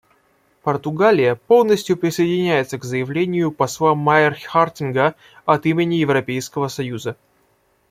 Португалия полностью присоединяется к заявлению посла Майр-Хартинга от имени Европейского союза.